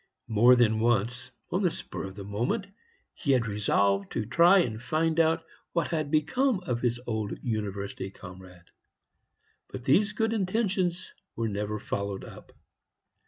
More than once, on the spur of the moment, he had resolved to try and find out what had become of his old university comrade. But these good intentions were never followed up.